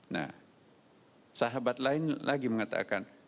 nah sahabat lain lagi mengatakan